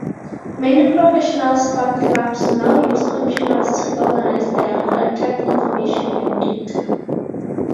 Many professional sport clubs now use computers to organize their collected information and data.